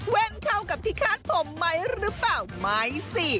เข้ากับที่คาดผมไหมหรือเปล่าไม่สิ